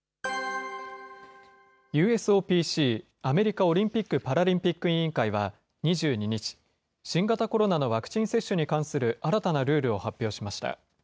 ＵＳＯＰＣ・アメリカオリンピック・パラリンピック委員会は２２日、新型コロナのワクチン接種に関する新たなルールを発表しました。